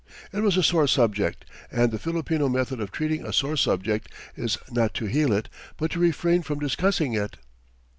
It was a sore subject, and the Filipino method of treating a sore subject is not to heal it, but to refrain from discussing it.